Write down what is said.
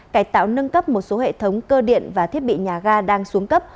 cải tạo nâng cấp một số hệ thống cơ điện và thiết bị nhà ga đang xuống cấp